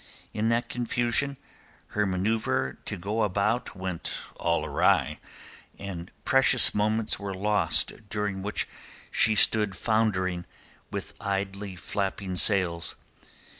In that confusion her manceuvre to go about went all awry, and precious moments were lost during which she stood floundering, with idly flapping sails.